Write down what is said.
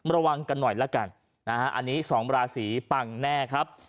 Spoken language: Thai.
ระวังกันหน่อยละกันนะฮะอันนี้สองราศีปังแน่ครับ